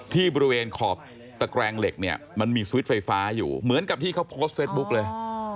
ที่บริเวณขอบตะแกรงเหล็กเนี่ยมันมีสวิตช์ไฟฟ้าอยู่เหมือนกับที่เขาโพสต์เฟซบุ๊กเลย